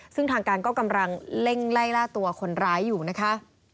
ซึ่งทางการก็กำลังเร่งไล่ล่าตัวคนร้ายอยู่นะคะ